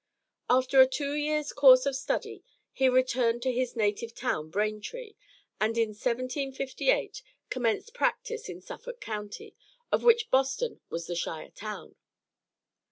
After a two years' course of study, he returned to his native town, Braintree, and in 1758 commenced practice in Suffolk county, of which Boston was the shire town.